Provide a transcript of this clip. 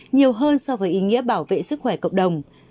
nhiều hơn so với ý nghĩa bảo vệ sức khỏe cộng đồng